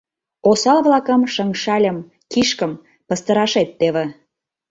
— Осал-влакым — шыҥшальым, кишкым — пастырашет теве...